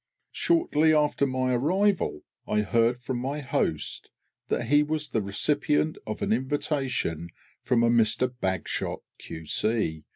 Shortly after my arrival I heard from my host that he was the recipient of an invitation from a Mister BAGSHOT, Q.C.